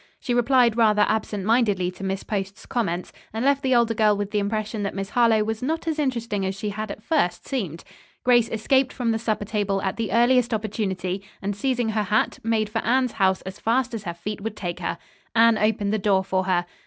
She replied rather absent mindedly to Miss Post's comments, and left the older girl with the impression that Miss Harlowe was not as interesting as she had at first seemed. Grace escaped from the supper table at the earliest opportunity, and seizing her hat, made for Anne's house as fast as her feet would take her. Anne opened the door for her.